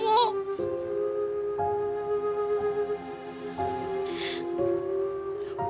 gua gak tahu yu